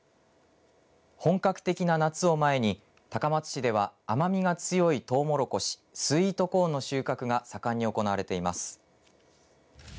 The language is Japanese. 本格的な夏を前に高松市では甘みが強いトウモロコシスイートコーンの収穫が盛んに行われています。